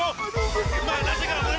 aduh aduh aduh